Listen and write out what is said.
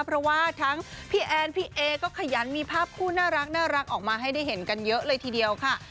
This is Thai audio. เพราะว่าทั้งพี่แอนพี่เอก็ขยันมีภาพคู่น่ารักออกมาให้ได้เห็นกันเยอะเลยทีเดียวค่ะ